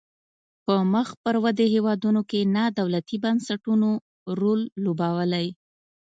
په مخ پر ودې هیوادونو کې نا دولتي بنسټونو رول لوبولای.